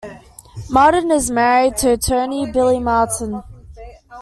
Martin is married to attorney Billy Martin.